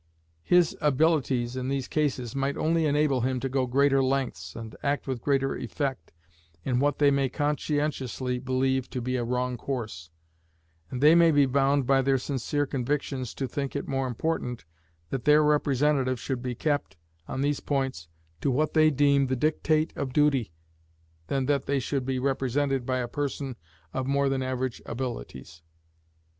His abilities, in these cases, might only enable him to go greater lengths, and act with greater effect, in what they may conscientiously believe to be a wrong course; and they may be bound, by their sincere convictions, to think it more important that their representative should be kept, on these points, to what they deem the dictate of duty, than that they should be represented by a person of more than average abilities.